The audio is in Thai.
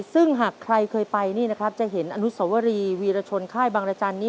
ซึ่งหากใครเคยไปจะเห็นอนุสวรีวีรชนค่ายบางรจันนี้